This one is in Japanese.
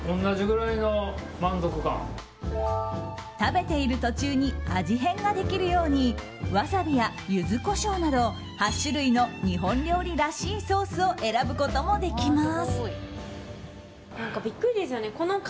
食べている途中に味変ができるようにワサビやユズコショウなど８種類の日本料理らしいソースを選ぶこともできます。